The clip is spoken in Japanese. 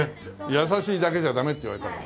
優しいだけじゃダメって言われたもの。